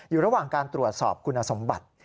อยู่ระหว่างการตรวจสอบคุณสมบัติ